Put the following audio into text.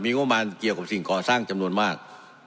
งบประมาณเกี่ยวกับสิ่งก่อสร้างจำนวนมาก